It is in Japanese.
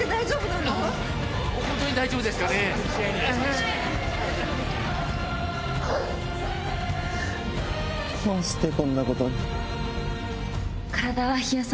どうしてこんなことに。